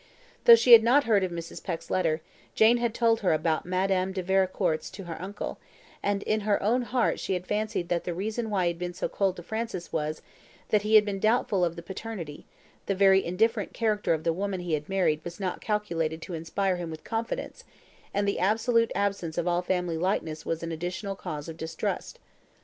Though she had not heard of Mrs. Peck's letter, Jane had told her about Madame de Vericourt's to her uncle, and in her own heart she had fancied that the reason why he had been so cold to Francis was, that he had been doubtful of the paternity; the very indifferent character of the woman he had married was not calculated to inspire him with confidence, and the absolute absence of all family likeness was an additional cause of distrust.